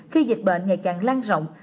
khi dịch bệnh ngày càng lan rộng